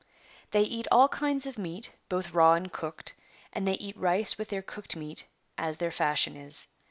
They eat all kinds of meat, both raw and cooked, and they eat rice with their cooked meat as their fashion is.